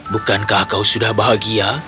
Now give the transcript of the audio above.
bukankah kau sudah bahagia